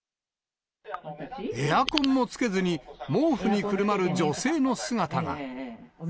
エアコンもつけずに、毛布にくるまる女性の姿が。